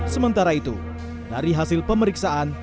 sementara itu dari hasil pemeriksaan